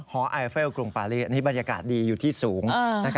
ไอเฟลกรุงปารีนี่บรรยากาศดีอยู่ที่สูง